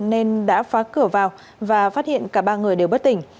nên đã phá cửa vào và phát hiện cả ba người đều bất tỉnh